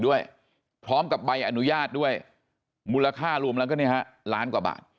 ด้วยพร้อมกับใบอนุญาตด้วยมูลค่ารวมแล้วก็เนี่ยฮะล้านกว่าบาท